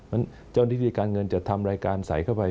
เมื่อเจ้านิตยาการเงินจะทำรายการใส่เข้าไป